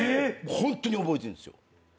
ホントに覚えてるんですよ。